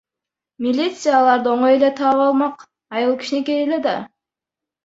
Милиция аларды оңой эле таап алмак, айыл кичинекей эле да.